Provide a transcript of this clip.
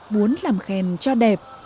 muốn làm khen cho đẹp